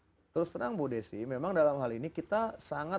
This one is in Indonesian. nah terus terang bu desi memang dalam hal ini kita harus mencari data yang lebih mudah